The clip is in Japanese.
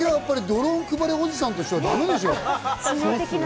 ドローン配りおじさんとしてはだめでしょ？